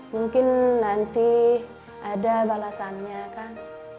mungkin nanti ada balasannya kan